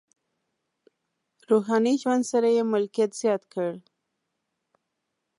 روحاني ژوند سره یې ملکیت زیات کړ.